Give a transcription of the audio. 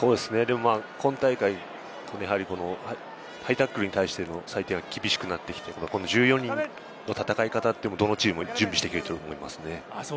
今大会、ハイタックルに対しての裁定が厳しくなってきて、１４人の戦い方というのも、どのチームも準備してきていると思います。